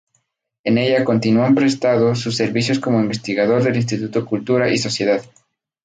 En ella continúa prestando sus servicios como investigador del Instituto Cultura y Sociedad.